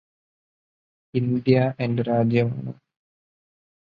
India എന്റെ രാജ്യമാണ്.